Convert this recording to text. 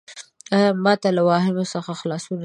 ایا ما ته له واهمو څخه خلاصون راکوې؟